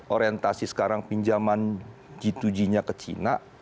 orientasi sekarang pinjaman g dua g nya ke china